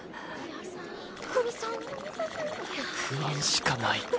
不安しかない